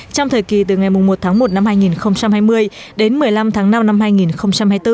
trong thời kỳ từ ngày một tháng một năm hai nghìn hai mươi đến một mươi năm tháng năm năm hai nghìn hai mươi bốn